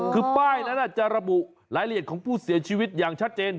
คือป้ายนั้นจะระบุรายละเอียดของผู้เสียชีวิตอย่างชัดเจน